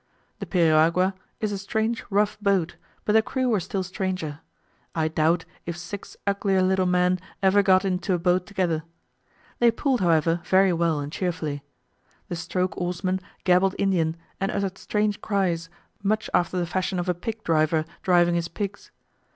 The periagua is a strange rough boat, but the crew were still stranger: I doubt if six uglier little men ever got into a boat together. They pulled, however, very well and cheerfully. The stroke oarsman gabbled Indian, and uttered strange cries, much after the fashion of a pig driver driving his pigs.